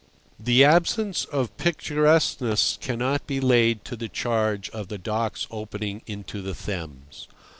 The absence of picturesqueness cannot be laid to the charge of the docks opening into the Thames.